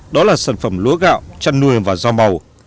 đó là sản phẩm lúa gạo chăn nuôi và rau màu